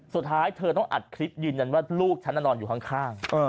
สุดท้ายเธอต้องอัดคลิปยืนยันว่าลูกฉันนอนอยู่ข้าง